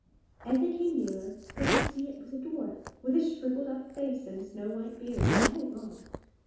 As they came nearer they could see it was a dwarf, with a shrivelled up face and a snow white beard an ell long.